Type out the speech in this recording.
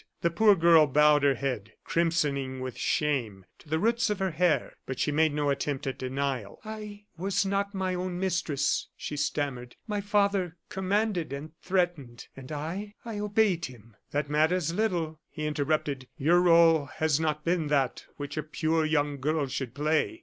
The poor girl bowed her head, crimsoning with shame to the roots of her hair; but she made no attempt at denial. "I was not my own mistress," she stammered; "my father commanded and threatened, and I I obeyed him." "That matters little," he interrupted; "your role has not been that which a pure young girl should play."